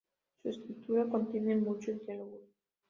Su escritura contiene muchos diálogos.